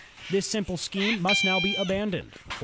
This simple scheme must now be abandoned, for it has •